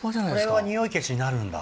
これはニオイ消しになるんだ。